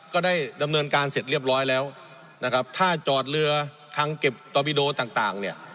ก็ได้ดำเนินการเสร็จเรียบร้อยแล้วนะครับถ้าจอดเรือคังเก็บตอบิโดต่างเนี่ย